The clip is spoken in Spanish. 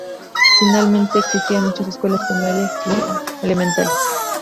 Finalmente, existían muchas escuelas primarias y elementales.